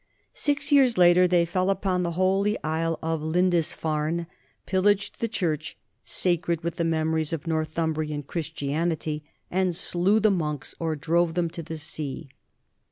Six years later they fell upon the holy isle of Lindisfarne, pillaged the church sacred with the memories of Northumbrian Christianity, and slew the monks or drove them into the sea.